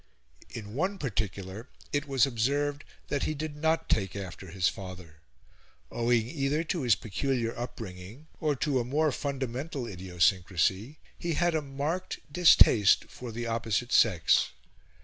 In one particular it was observed that he did not take after his father: owing either to his peculiar upbringing or to a more fundamental idiosyncrasy he had a marked distaste for the opposite sex.